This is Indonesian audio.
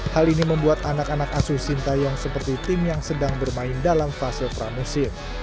hal ini membuat anak anak asuh sintayong seperti tim yang sedang bermain dalam fase pramusim